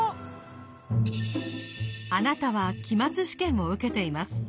あなたは期末試験を受けています。